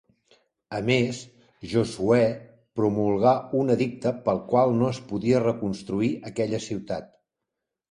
A més, Josuè promulgà un edicte pel qual no es podia reconstruir aquella ciutat.